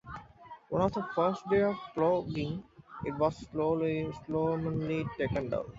On the first day of ploughing, it was solemnly taken down.